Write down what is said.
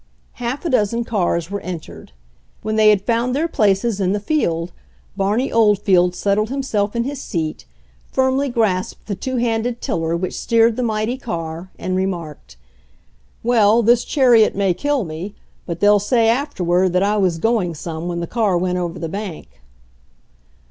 Half a dozen cars were entered. When they had found their places in the field Barney Old field settled himself in his sfcat, firmly grasped the two handed tiller which steered the mighty car, and remarked, "Well, this chariot may kill me, but they'll say afterward that I was going some when the car went over the bank."